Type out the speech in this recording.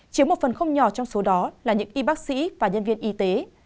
chiếm một phần không nhỏ trong số đó là những y bác sĩ và nhân viên y tế